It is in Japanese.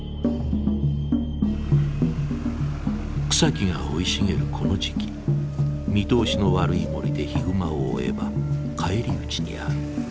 草木が生い茂るこの時期見通しの悪い森でヒグマを追えば返り討ちに遭う。